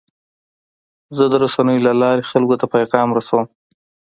زه د رسنیو له لارې خلکو ته پیغام رسوم.